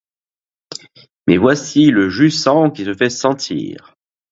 Mais voici le jusant qui se fait sentir.